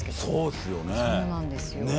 そうなんですよ。